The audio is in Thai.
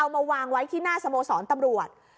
มาวางไว้ที่หน้าสโมสรตำรวจ